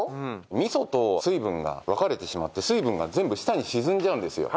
味噌と水分が分かれてしまって水分が全部下に沈んじゃうんですよ。